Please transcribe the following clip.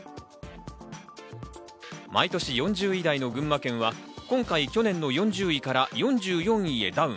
毎年４０位台の群馬県は今回、去年の４０位から４４位へダウン。